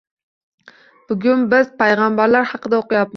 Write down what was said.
Bugun biz payg‘ambarlar haqida o‘qiyapmiz